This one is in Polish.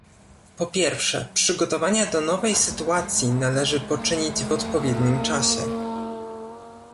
Po pierwsze, przygotowania do nowej sytuacji należy poczynić w odpowiednim czasie